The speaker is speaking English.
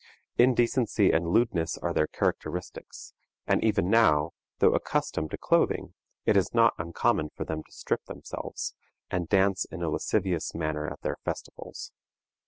Indecency and lewdness are their characteristics; and even now, though accustomed to clothing, it is not uncommon for them to strip themselves, and dance in a lascivious manner at their festivals.